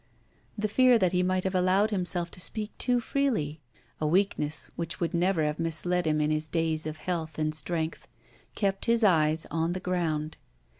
The fear that he might have allowed himself to speak too freely a weakness which would never have misled him in his days of health and strength kept his eyes on the ground.